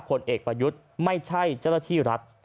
ผลเอกประยุทธ์ไม่ใช่เจ้าหน้าที่รัฐ